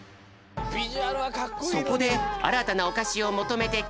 そこであらたなおかしをもとめてキッチンへ！